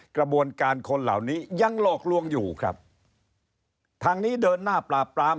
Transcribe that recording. กระบวนการคนเหล่านี้ยังหลอกลวงอยู่ครับทางนี้เดินหน้าปราบปราม